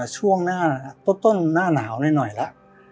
ช่วงต้นหน้าหนาวนิดหน่อยละ